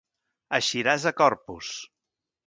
Eixiràs a Corpus!